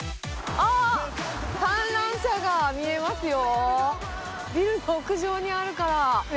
あー、観覧車が見えますよ。